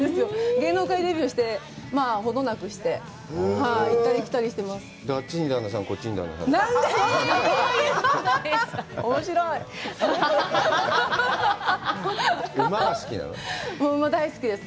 芸能界デビューしてほどなくして行ったり来たりしてます。